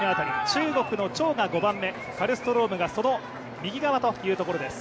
中国の張が５番目、カルストロームがその右側というところです。